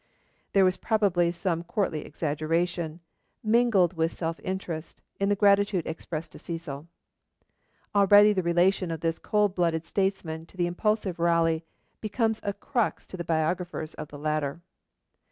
There was probably some courtly exaggeration, mingled with self interest, in the gratitude expressed to Cecil. Already the relation of this cold blooded statesman to the impulsive Raleigh becomes a crux to the biographers of the latter.